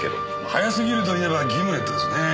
早すぎるといえばギムレットですねえ。